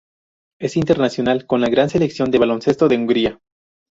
Es internacional con la con la selección de baloncesto de Hungría.